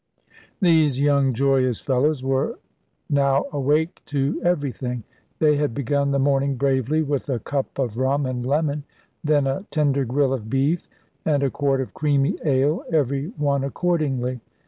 These young joyous fellows now were awake to everything. They had begun the morning bravely with a cup of rum and lemon, then a tender grill of beef, and a quart of creamy ale, every one accordingly.